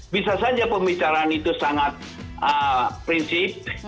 bisa saja pembicaraan itu sangat prinsip